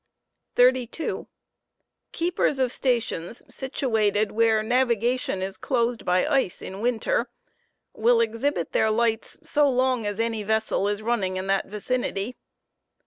32. Keepers of stations situated where navigation is closed by ice in winter, will ugfcte to bo exhibit their lights so long as any vessel is running in that vicinity.